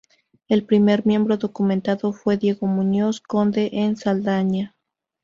El primer miembro documentado fue Diego Muñoz, conde en Saldaña.